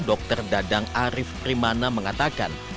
dr dadang arief primana mengatakan